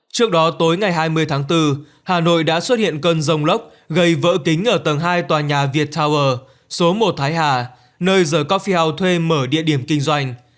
trước đó tối ngày hai mươi tháng bốn hà nội đã xuất hiện cơn rông lốc gây vỡ kính ở tầng hai tòa nhà viettower số một thái hà nơi the coffee house thuê mở địa điểm kinh doanh